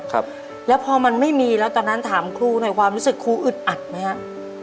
ครับแล้วพอมันไม่มีแล้วตอนนั้นถามครูหน่อยความรู้สึกครูอึดอัดไหมฮะ